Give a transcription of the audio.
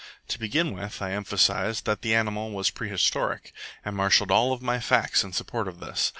To begin with, I emphasized that the animal was prehistoric, and marshalled all my facts in support of this.